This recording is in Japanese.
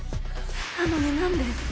なのに何で？